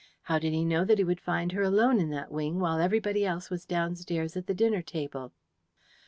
How did he know that he would find her alone in that wing while everybody else was downstairs at the dinner table?"